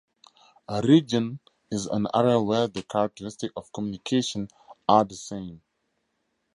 A "region" is an area where the characteristics of communication are the same.